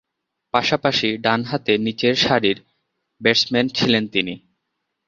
পাশাপাশি ডানহাতে নিচের সারির ব্যাটসম্যান ছিলেন তিনি।